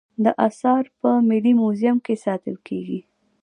دا اثار په ملي موزیم کې ساتل کیدل